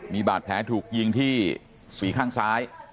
มีบาดแผลถูกยิงที่สีข้างซ้าย